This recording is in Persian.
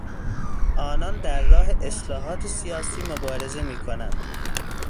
آنان در راه اصلاحات سیاسی مبارزه میکنند.